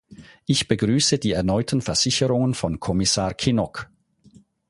Ich begrüße die erneuten Versicherungen von Kommissar Kinnock.